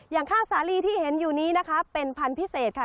อย่างข้าวสาลีที่เห็นอยู่นี้นะคะเป็นพันธุ์พิเศษค่ะ